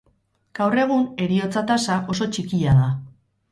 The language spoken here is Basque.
Gaur egun, heriotza-tasa oso txikia da.